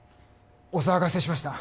お騒がせしました。